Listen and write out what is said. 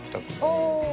「ああ」